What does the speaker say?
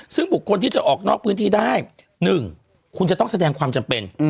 ซึ่งบุคคลที่จะออกนอกพื้นที่ได้๑คุณจะต้องแสดงความจำเป็น